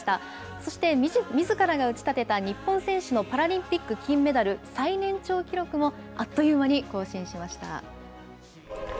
そしてみずからが打ち立てた日本選手のパラリンピック金メダル最年長記録も、あっという間に更新しました。